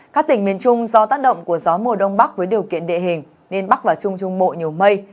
các tỉnh miền trung do tác động của gió mùa đông bắc với điều kiện địa hình nên bắc và trung trung bộ nhiều mây